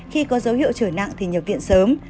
khi có dấu hiệu trở nặng thì nhập viện sớm